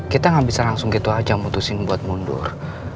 kita nggak bisa langsung gitu aja mutusin buat mundur